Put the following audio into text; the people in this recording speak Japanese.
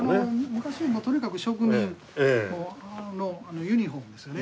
昔もうとにかく職人のユニホームですよね。